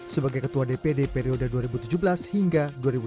sebagai ketua dpd periode dua ribu tujuh belas hingga dua ribu sembilan belas